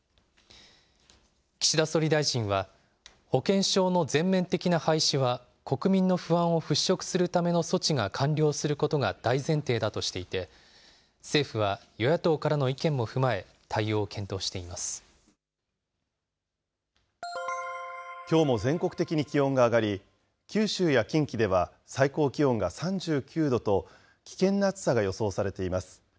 岸田総理大臣は、保険証の全面的な廃止は、国民の不安を払拭するための措置が完了することが大前提だとしていて、政府は与野党からの意見も踏まえ、対応を検討しきょうも全国的に気温が上がり、九州や近畿では最高気温が３９度と、危険な暑さが予想されています。